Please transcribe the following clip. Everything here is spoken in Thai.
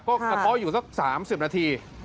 ก็กระเพาะอยู่สัก๓๐นาที